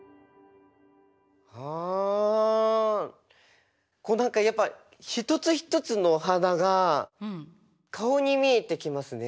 あこう何かやっぱ一つ一つのお花が顔に見えてきますね。